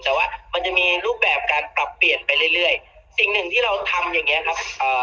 แต่ว่ามันจะมีรูปแบบการปรับเปลี่ยนไปเรื่อยเรื่อยสิ่งหนึ่งที่เราทำอย่างเงี้ครับเอ่อ